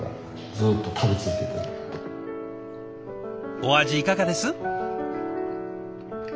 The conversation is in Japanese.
お味いかがです？